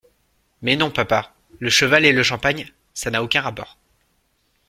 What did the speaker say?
Mais non papa, le cheval et le champagne, ça n’a aucun rapport.